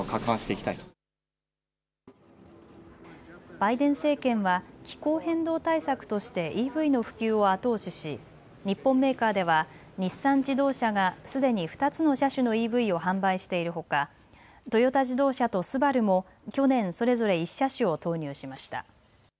バイデン政権は気候変動対策としてＥＶの普及を後押しし日本メーカーでは日産自動車がすでに２つの車種のＥＶを販売しているほか、トヨタ自動車とＳＵＢＡＲＵも去年、それぞれ１車種を投入しました。